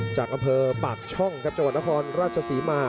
จากอำเภอปากช่องครับจังหวัดนครราชศรีมา